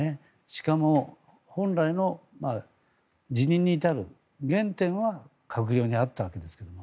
しかも、本来の辞任に至る原点は閣僚にあったわけですから。